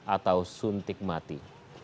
atau suntik mati